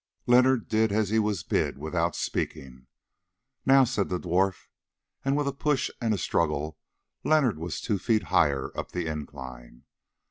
Leonard did as he was bid without speaking. "Now," said the dwarf, and with a push and a struggle Leonard was two feet higher up the incline.